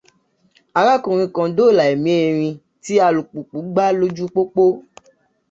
Arákùnrin kan dóòlà ẹ̀mí Erin tí alùpùpù gbá lójú pópó